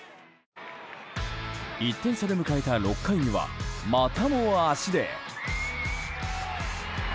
１点差で迎えた６回にはまたも足で。